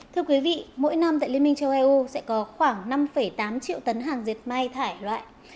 thưa quý vị mỗi năm tại liên minh châu âu sẽ có khoảng năm tám triệu tấn hàng diệt may thải loại